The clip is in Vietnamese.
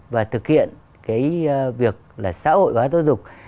và thực hiện cái việc là xã hội hóa giáo dục